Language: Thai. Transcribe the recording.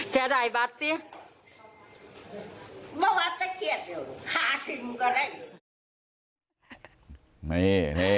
เชียดไอ้บัตรสิเมื่อบัตรก็เชียดอยู่ขาดถึงก็เลย